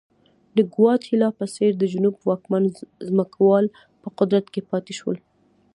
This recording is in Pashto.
د ګواتیلا په څېر د جنوب واکمن ځمکوال په قدرت کې پاتې شول.